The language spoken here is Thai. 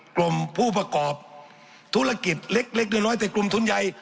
กลุ่มผู้ประกอบธุรกิจเล็กน้อยแต่กลุ่มทุนใหญ่